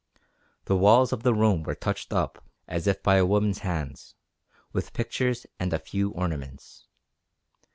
The walls of the room were touched up, as if by a woman's hands, with pictures and a few ornaments.